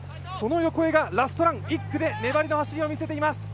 その横江がラストラン、１区で粘りの走りを見せています。